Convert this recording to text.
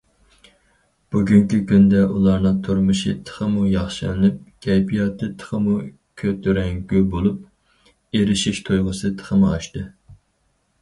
بۈگۈنكى كۈندە ئۇلارنىڭ تۇرمۇشى تېخىمۇ ياخشىلىنىپ، كەيپىياتى تېخىمۇ كۆتۈرەڭگۈ بولۇپ، ئېرىشىش تۇيغۇسى تېخىمۇ ئاشتى.